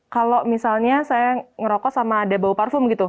kalau misalnya saya ngerokok sama ada bau parfum gitu